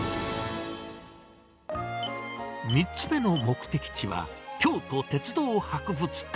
３つ目の目的地は、京都鉄道博物館。